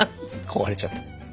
壊れちゃった。